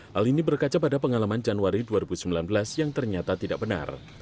hal ini berkaca pada pengalaman januari dua ribu sembilan belas yang ternyata tidak benar